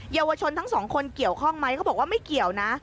เยาวชนทั้งสองคนเกี่ยวข้องไหมเขาบอกว่าไม่เกี่ยวนะ